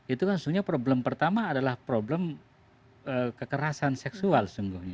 itu kan sebenarnya problem pertama adalah problem kekerasan seksual